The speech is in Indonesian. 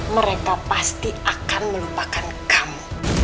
mereka pasti akan melupakan kamu